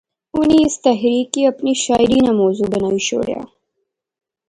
انی اس تحریک کی اپنی شاعری ناں موضوع بنائی شوڑیا